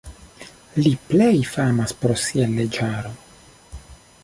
Li plej famas pro sia leĝaro.